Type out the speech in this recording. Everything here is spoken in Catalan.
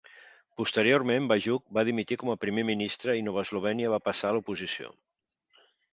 Posteriorment, Bajuk va dimitir com a primer ministre i Nova Eslovènia va passar a l'oposició.